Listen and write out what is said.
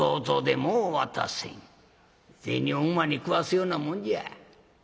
銭を馬に食わすようなもんじゃ。